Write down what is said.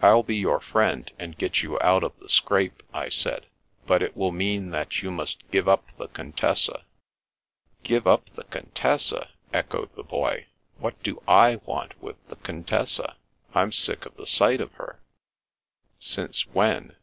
"I'll be your friend, and get you out of the scrape," I said. " But it will mean that you must give up the Contessa." "Give up the Contessa!" echoed* the Boy. " What do / want with the Contessa ! I'm sick of the sight of her." " Since when